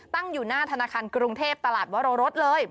ตั้งอยู่หน้าธนาคารกรุงเทพตลาดวรรสเลย